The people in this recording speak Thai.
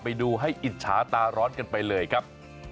ไปดูให้อิจฉาตาร้อนกันไปเลยครับ